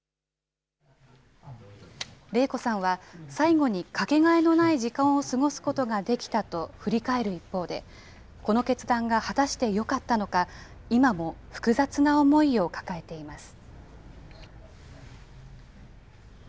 礼子さんは、最後に掛けがえのない時間を過ごすことができたと振り返る一方で、この決断が果たしてよかったのか、今も複雑な思いを抱えています。